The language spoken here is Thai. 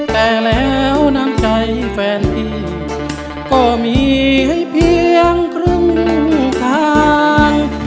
แต่แล้วน้ำใจแฟนพี่ก็มีให้เพียงครึ่งทาง